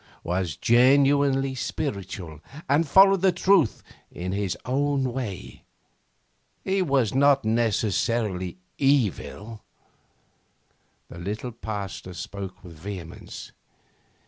'Was genuinely spiritual and followed the truth in his own way. He was not necessarily evil.' The little Pasteur spoke with vehemence.